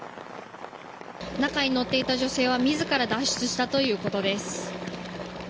中に乗っていた女性は自ら脱出したということです。